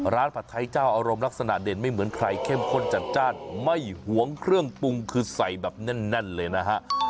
ผัดไทยเจ้าอารมณ์ลักษณะเด่นไม่เหมือนใครเข้มข้นจัดจ้านไม่หวงเครื่องปรุงคือใส่แบบแน่นเลยนะฮะ